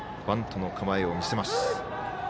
バントの構えを見せます。